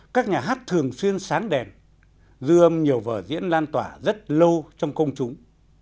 các nhà hát thường xuyên sáng đèn dư âm nhiều vở diễn lan tỏa rất lâu trong công chúng